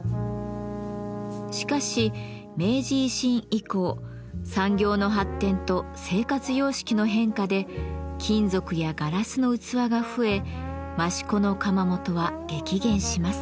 しかし明治維新以降産業の発展と生活様式の変化で金属やガラスの器が増え益子の窯元は激減します。